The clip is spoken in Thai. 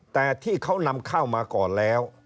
แต่ที่เขานำเข้ามาก่อนแล้ว